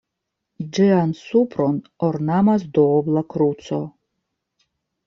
Ĝian supron ornamas duobla kruco.